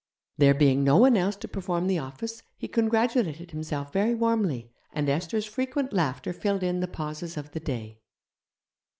There being no one else to perform the office, he congratulated himself very warmly, and Esther's frequent laughter filled in the pauses of the day.